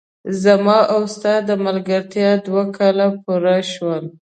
زما او ستا د ملګرتیا دوه کاله پوره شول!